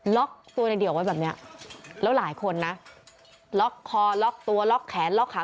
ล็อกตัวในเดี่ยวไว้แบบนี้แล้วหลายคนนะล็อกคอล็อกตัวล็อกแขนล็อกขา